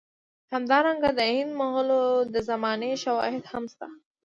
همدارنګه د هند د مغولو د زمانې شواهد هم شته.